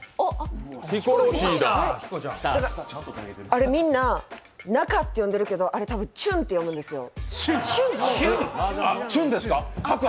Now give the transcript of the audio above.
あれみんな、「なか」って読んでるけどあれ多分チュンって読むんですよ。